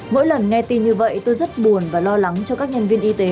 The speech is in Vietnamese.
mỗi lần nghe tin như vậy tôi rất buồn và lo lắng cho các nhân viên y tế